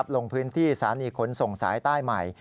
ลงพื้นที่สถานีขนส่งสายใต้ใหม่